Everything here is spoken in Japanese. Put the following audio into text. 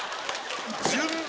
順番！